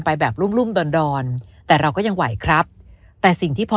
ไปแบบรุ่มรุ่มดอนดอนแต่เราก็ยังไหวครับแต่สิ่งที่พอ